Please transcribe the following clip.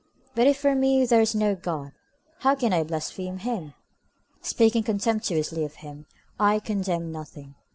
But if for me there is no God, how can I blaspheme him? Speaking contemptuously of him, I but contemn nothing.